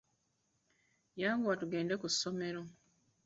Yanguwa tugende ku ssomero.